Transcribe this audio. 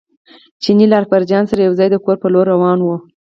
چیني له اکبرجان سره یو ځای د کور پر لور روان و.